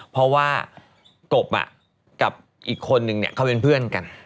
เพราะว่ากบกับอีกคนนึงเขาเป็นเพื่อนกัน